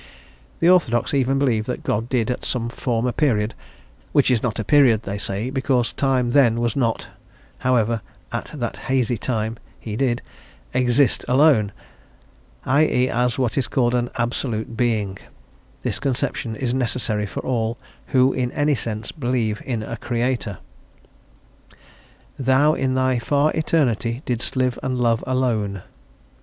The orthodox even believe that God did, at some former period (which is not a period, they say, because time then was not however, at that hazy "time" he did), exist alone, i e., as what is called an Absolute Being: this conception is necessary for all who, in any sense, believe in a Creator. "Thou, in Thy far eternity, Didst live and love alone."